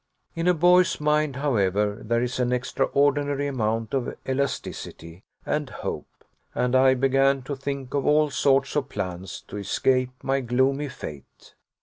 In a boy's mind, however, there is an extraordinary amount of elasticity and hope, and I began to think of all sorts of plans to escape my gloomy fate.